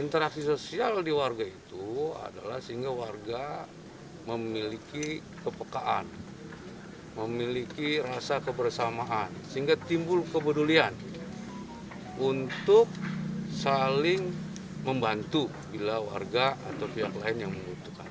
interaksi sosial di warga itu adalah sehingga warga memiliki kepekaan memiliki rasa kebersamaan sehingga timbul kepedulian untuk saling membantu bila warga atau pihak lain yang membutuhkan